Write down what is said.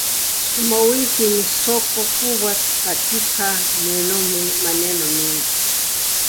Sukuma wiki ina soko kubwa katika maeneo mengi,